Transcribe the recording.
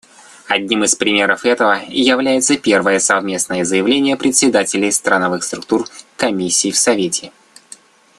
Одним из примеров этого является первое совместное заявление председателей страновых структур Комиссии в Совете.